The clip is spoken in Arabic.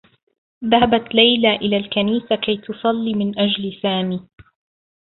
ذهبت ليلى إلى الكنيسة كي تصلّي من أجل سامي.